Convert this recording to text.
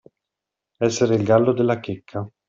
Essere il gallo della Checca.